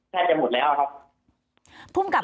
แทบจะหมดแล้วครับ